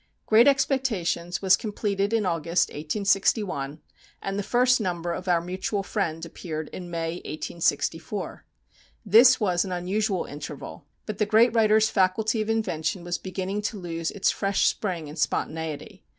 "Great Expectations" was completed in August, 1861, and the first number of "Our Mutual Friend" appeared in May, 1864. This was an unusual interval, but the great writer's faculty of invention was beginning to lose its fresh spring and spontaneity.